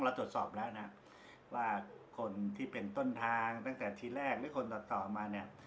เราตรวจสอบแล้วนะว่าคนที่เป็นต้นทางตั้งแต่ทีแรกหรือคนตัดต่อมาเนี่ย